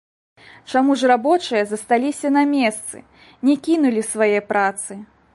Чаму ж рабочыя засталіся на месцы, не кінулі свае працы?